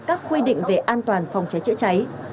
các quy định về an toàn phòng cháy chữa cháy